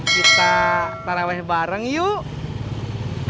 kita taraweh bareng yuk